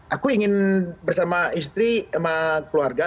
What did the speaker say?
aku ingin bersama istri sama keluarga